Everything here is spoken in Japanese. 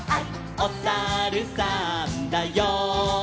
「おさるさんだよ」